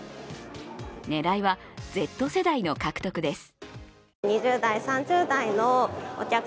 狙いはＺ世代の獲得です。